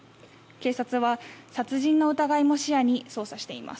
警察は、殺人の疑いも視野に捜査しています。